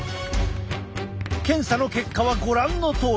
検査の結果はご覧のとおり。